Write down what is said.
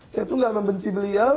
saya itu nggak membenci beliau